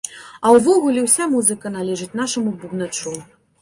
А ўвогуле ўся музыка належыць нашаму бубначу.